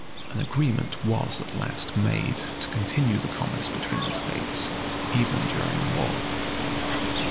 [*] An agreement was at last made to continue the commerce between the states, even during war.